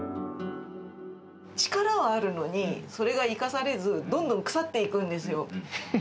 力はあるのに、それが生かされず、どんどん腐っていくんですよ。